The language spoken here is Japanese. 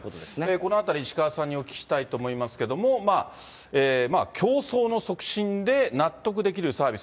このあたり石川さんにお聞きしたいと思いますけれども、競争の促進で納得できるサービス。